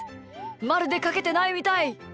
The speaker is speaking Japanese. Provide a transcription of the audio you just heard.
まるでかけてないみたい。